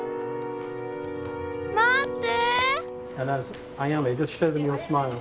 待って！